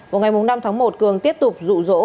vào ngày năm tháng một cường tiếp tục rụ rỗ